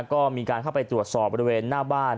ก็มีการเข้าไปตรวจสอบบริเวณหน้าบ้าน